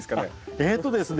えとですね